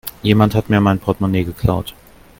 Jemand hat mir mein Portmonee geklaut.